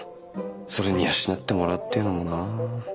それに養ってもらうっていうのもな。